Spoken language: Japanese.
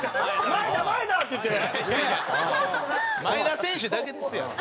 前田選手だけですやん。